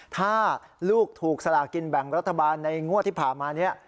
ถ้าลูกถูกสลากินแบ่งรัฐบาลในงวดที่ผ่านมานี้